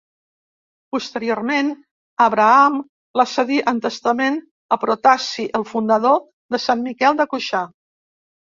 Posteriorment, Abraham la cedí en testament a Protasi, el fundador de Sant Miquel de Cuixà.